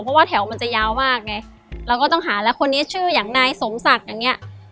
เพราะว่าแถวมันจะยาวมากไงเราก็ต้องหาแล้วคนนี้ชื่ออย่างนายสมศักดิ์อย่างเงี้ย